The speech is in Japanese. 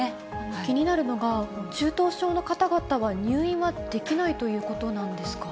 気になるのが、中等症の方々は入院はできないということなんですか？